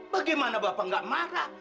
bagaimana bapak gak marah